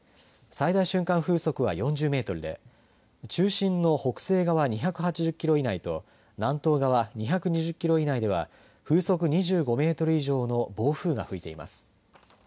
最大瞬間風速は４０メートルで中心の北西側２８０キロ以内と南東側２２０キロ以内では風速２５メートル以上の暴風が吹いています。